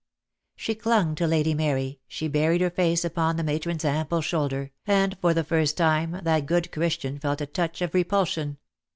She clung to Lady Mary, she buried her face upon the matron's ample shoulder, and for the first time that good Christian felt a touch of re pulsion.